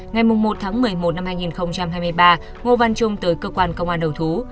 ngày một tháng một mươi một năm hai nghìn hai mươi ba ngô văn trung tới cơ quan công an đầu thú